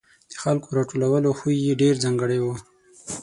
د خلکو راټولولو خوی یې ډېر ځانګړی و.